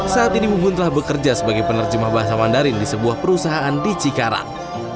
saat ini mubun telah bekerja sebagai penerjemah bahasa mandarin di sebuah perusahaan di cikarang